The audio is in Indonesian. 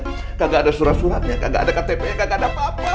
tidak ada surat suratnya nggak ada ktp nggak ada apa apa